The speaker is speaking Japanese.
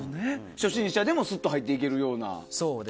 初心者でもすっと入っていけるような。